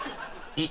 えっ？